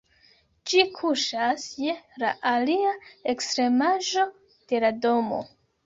Ĝi kuŝas je la alia ekstremaĵo de la domo.